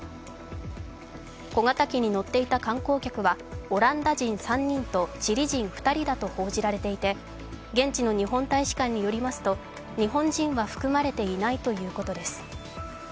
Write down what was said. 小型機に乗っていた観光客はオランダ人３人とチリ人２人だと報じられていて現地の日本大使館によりますと、日本人は含まれていないということです。